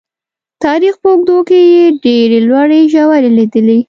تاریخ په اوږدو کې یې ډېرې لوړې ژورې لیدلي.